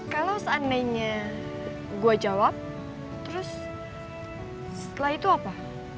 kalau seandainya gua jawab terus setelah itu apa